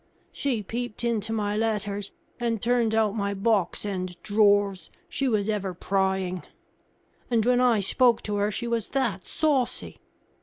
She peeped into my letters, and turned out my box and drawers, she was ever prying; and when I spoke to her, she was that saucy!